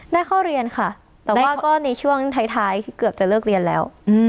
ได้เข้าเรียนค่ะแต่ว่าก็ในช่วงท้ายคือเกือบจะเลิกเรียนแล้ว